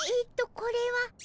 これは。